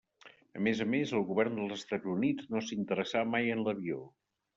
A més a més, el govern dels Estats Units no s'interessà mai en l'avió.